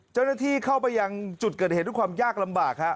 เจ้าหน้าที่เข้าไปยังจุดเกิดเหตุด้วยความยากลำบากฮะ